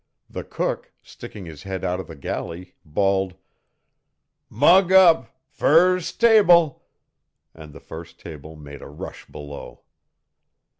The cook, sticking his head out of the galley, bawled: "Mug up! First ta a able!" and the first table made a rush below.